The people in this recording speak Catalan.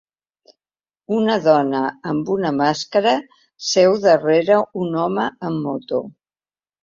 Una dona amb una màscara seu darrera un home en moto